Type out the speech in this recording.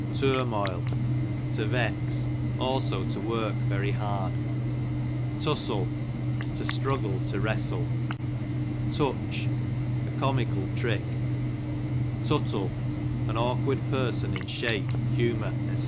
Turmoil, to vex; also to work very hard. Tussle, to struggle, to ivrestle. Tutoh, a comical trick. Tuttle, an aukKard person in shape, humour, £ c.